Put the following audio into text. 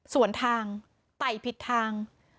ส่วนทางไต่ผิดทาง